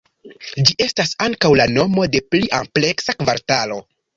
Ĝi estas ankaŭ la nomo de pli ampleksa kvartalo.